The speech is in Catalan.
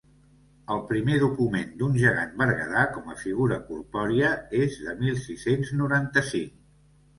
El primer document d'un gegant berguedà com a figura corpòria és de mil sis-cents noranta-cinc.